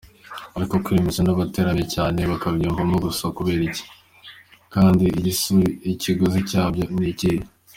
Ariko kwiremereza n’ abataremereye cyane bakabyiyumvamo gusa kubera iki? Kandi ikiguzi cyabyo ni ikihe?”.